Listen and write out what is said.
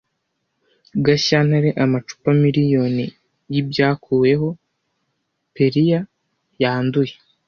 Gashyantare amacupa miliyoni yibyakuweho Perrier - yanduye